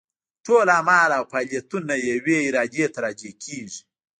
ټول اعمال او فاعلیتونه یوې ارادې ته راجع کېږي.